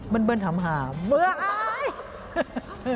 เบิ้ลเบิ้ลถำหาเมื่อไหร่